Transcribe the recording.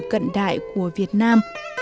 cận đại của việt nam